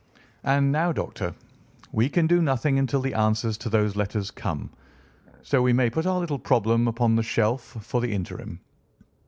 And now, Doctor, we can do nothing until the answers to those letters come, so we may put our little problem upon the shelf for the interim."